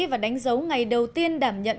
và đánh dấu ngày đầu tiên đảm nhận